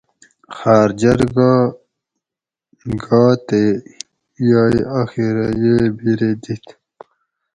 خار جرگہ گا تے یائے آخرہ ییہ بِیرے دیت